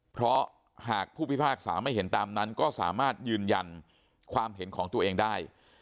เพราะหากผู้พิพากษาไม่เห็นตามนั้นก็สามารถยืนยันความเห็นของตัวเองได้